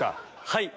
はい！